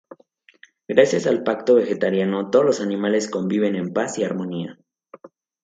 Gracias al Pacto Vegetariano, todos los animales conviven en paz y armonía.